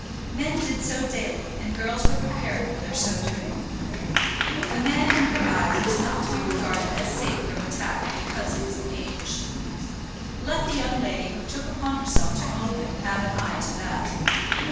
Men did so daily, and girls were prepared for their so doing. A man in her eyes was not to be regarded as safe from attack because he was engaged. Let the young lady who took upon herself to own him have an eye to that.